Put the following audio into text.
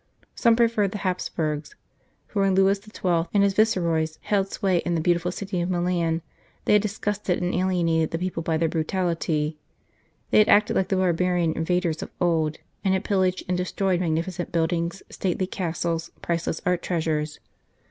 Some preferred the Hapsburgs ; for when Louis XII. and his Viceroys held sway in the beautiful city of Milan, they had disgusted and alienated the people by their brutality. They had acted like the barbarian invaders of old, and had pil laged and destroyed magnificent buildings, stately castles, priceless art treasures.